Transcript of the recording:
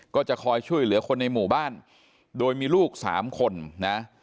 ก็จะคอยช่วยเหลือคนในหมู่บ้านโดยมีลูกสามคนนะ